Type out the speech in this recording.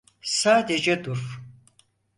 Sadece dur.